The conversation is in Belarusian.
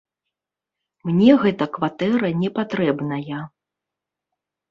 Мне гэта кватэра не патрэбная.